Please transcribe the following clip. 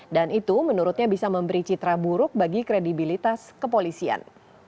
dan itu menurutnya bisa memberi citra buruk bagi kredibilitas kepolisian